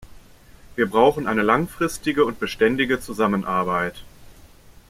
Wir brauchen eine langfristige und beständige Zusammenarbeit.